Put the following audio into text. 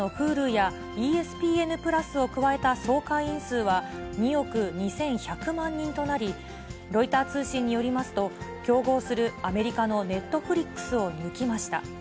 傘下のＨｕｌｕやＥＳＰＮ＋を加えた総会員数は２億２１００万人となり、ロイター通信によりますと、競合するアメリカのネットフリックスを抜きました。